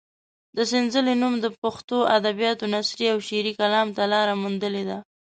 د سنځلې نوم د پښتو ادبیاتو نثري او شعري کلام ته لاره موندلې ده.